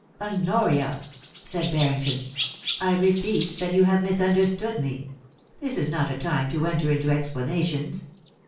' Honoria,' said Barrington, ' I repeat that you have mis understood me. This is not a rime to enter into explana tions.